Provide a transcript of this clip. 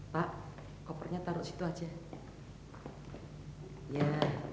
pak kopernya taruh situ aja